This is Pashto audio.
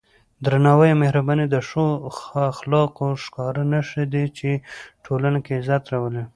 درناوی او مهرباني د ښو اخلاقو ښکاره نښې دي چې ټولنه کې عزت راولي.